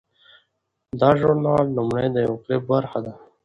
دا ژورنال لومړی د یو کلپ برخه وه.